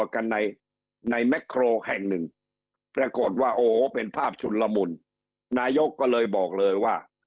กันในในแม็กโครแห่งหนึ่งปรากฏว่าโอ้โหเป็นภาพชุนละมุนนายกก็เลยบอกเลยว่า